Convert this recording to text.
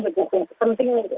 penting itu segera pergi